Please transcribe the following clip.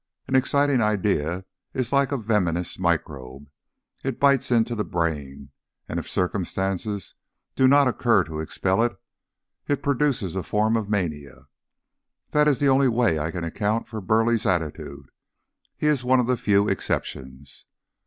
An exciting idea is like a venomous microbe; it bites into the brain, and if circumstances do not occur to expel it, it produces a form of mania. That is the only way I can account for Burleigh's attitude; he is one of the few exceptions.